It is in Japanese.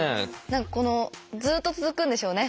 何かこのずっと続くんでしょうね